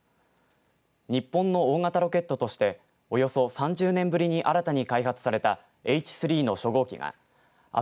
日本の大型ロケットとしておよそ３０年ぶりに新たに開発されたＨ３の初号機があす